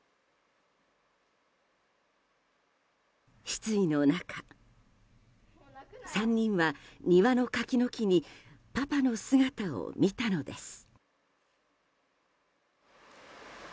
失意の中、３人は庭の柿の木にパパの姿を見たのです。